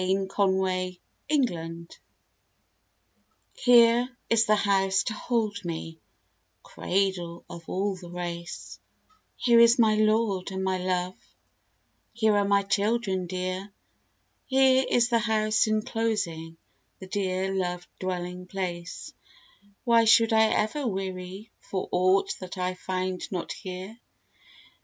THE HOUSEWIFE f Here is the House to hold me cradle of all the race; Here is my lord and my love, here are my children dear Here is the House enclosing, the dear loved dwelling place; Why should I ever weary for aught that I find not here?